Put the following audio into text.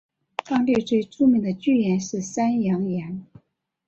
当地最著名的巨岩是山羊岩。